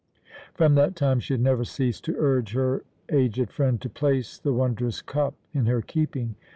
From that time she had never ceased to urge her aged friend to place the wondrous cup in her keeping.